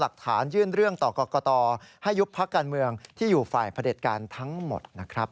หลักฐานยื่นเรื่องต่อกรกตให้ยุบพักการเมืองที่อยู่ฝ่ายพระเด็จการทั้งหมดนะครับ